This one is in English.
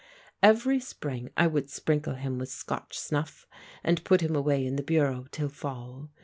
Every spring I would sprinkle him with Scotch snuff and put him away in the bureau till fall.